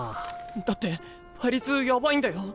だって倍率やばいんだよ。